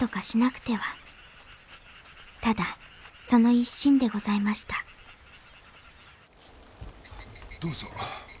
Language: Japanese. ただその一心でございましたどうぞ。